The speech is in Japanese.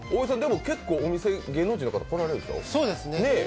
お店、結構芸能人の方来られるでしょ？